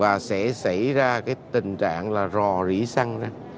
cái rong cầu su nó bị nở ra và sẽ xảy ra cái tình trạng là rò rỉ săn ra